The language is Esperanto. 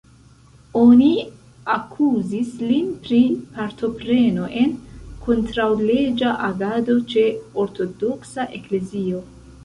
Oni akuzis lin pri partopreno en kontraŭleĝa agado ĉe Ortodoksa Eklezio.